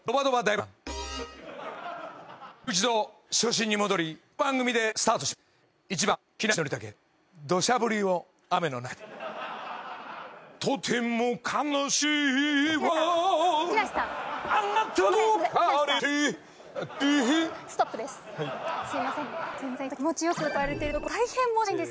もう一度初心に戻りこの番組でスタートします。